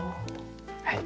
はい。